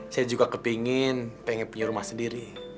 saya juga kepingin pengen punya rumah sendiri